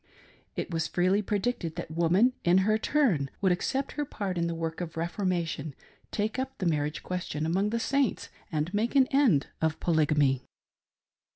It was freely predicted that Woman, in her turn, would accept her part in the work of reformation, take up the marriage question among the Saints, and make an end of polygamy.